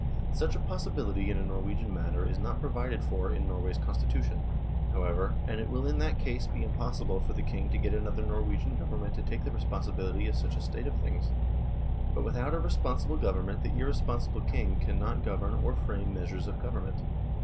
Such a possibility in a Norwegian matter is not provided for in Norway's Constitution, however, and it will in that case be impossible for the King to get another Norwegian Government to take the responsibility of such a state of things. But with out a responsible Government the irresponsible King cannot govern or frame measures of government.